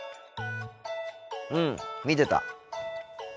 うん見てた。